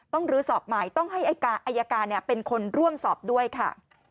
ลื้อสอบใหม่ต้องให้อายการเป็นคนร่วมสอบด้วยค่ะ